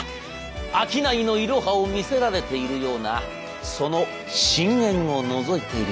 商いのイロハを見せられているようなその深えんをのぞいているような。